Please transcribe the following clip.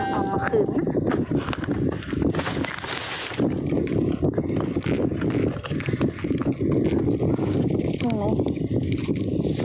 เอามาคืน